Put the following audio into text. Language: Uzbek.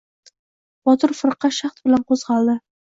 Botir firqa shahd bilan qo‘zg‘oldi.